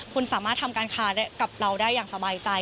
คุณสามารถทำการค้ากับเราได้อย่างสบายใจ